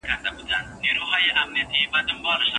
خادم د خدمت په بهیر کې له مخدوم سره ولي مخ کيږي؟